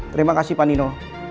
terima kasih pak nino